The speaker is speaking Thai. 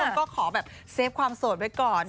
คุณผู้ชมก็ขอเซฟความโสดไปก่อน